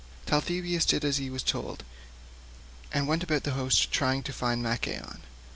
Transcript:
Talthybius did as he was told, and went about the host trying to find Machaon.